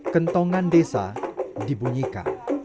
kentongan desa dibunyikan